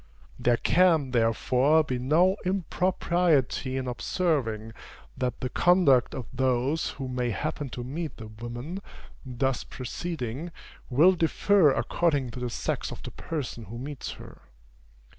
There can, therefore, be no impropriety in observing, that the conduct of those who may happen to meet the women thus preceding, will differ according to the sex of the person who meets her.